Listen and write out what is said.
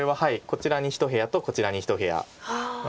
こちらに１部屋とこちらに１部屋。